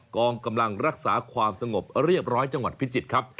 กองกำลังรักษาความสงบเรียบร้อยจังหวัดพิจิตรครับ